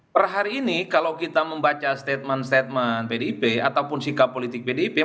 per hari ini kalau kita membaca statement statement pdip ataupun sikap politik pdip